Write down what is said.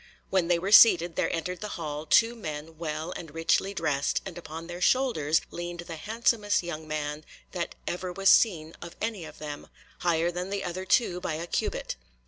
When they were seated there entered the hall two men well and richly dressed, and upon their shoulders leaned the handsomest young man that ever was seen of any of them, higher than the other two by a cubit.